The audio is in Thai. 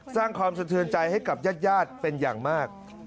สร้างความสะเทือนใจให้กับญาติเป็นอย่างมาก